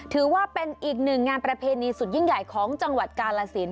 ถือว่าเป็นอีกหนึ่งงานประเพณีสุดยิ่งใหญ่ของจังหวัดกาลสิน